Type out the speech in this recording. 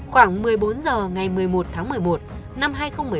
khoảng một mươi bốn h ngày một mươi một tháng một mươi một năm hai nghìn một mươi ba